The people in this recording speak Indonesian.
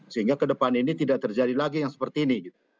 sehingga ke depan ini tidak terjadi lagi yang seperti ini